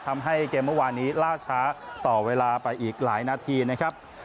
ทำให้เกมเมื่อวานนี้ล่าช้าต่อเวลาไปอีกหลายนาทีนะครับ